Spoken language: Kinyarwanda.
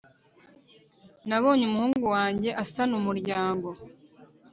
nabonye umuhungu wanjye asana umuryango